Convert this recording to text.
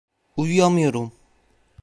Uyuyamıyorum.